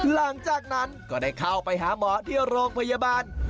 หลังจากนั้นก็ได้เข้าไปหาหมอที่โรงพยาบาล